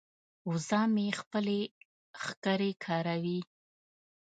وزه مې خپلې ښکرې کاروي.